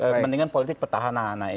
kepentingan politik petahana